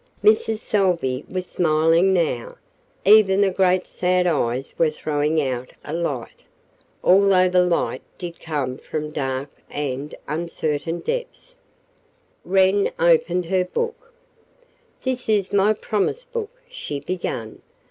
Mrs. Salvey was smiling now even the great sad eyes were throwing out a light, although the light did come from dark and uncertain depths. Wren opened her book. "This is my promise book," she began.